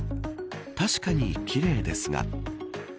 確かに奇麗ですが。